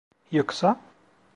Yoksa?